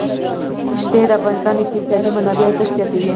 ښتې د افغانستان د اقتصادي منابعو ارزښت زیاتوي.